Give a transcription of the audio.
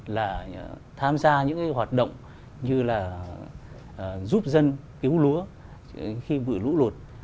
là tham gia những cái hoạt động như là giúp dân cứu lúa khi bị lũ lụt